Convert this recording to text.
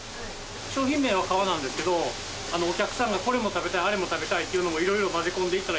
商品名は「かわ」なんですけどお客さんがこれも食べたいあれも食べたいっていうのを色々混ぜ込んでいったら。